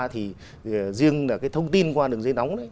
thì riêng là cái thông tin qua đường dây nóng đấy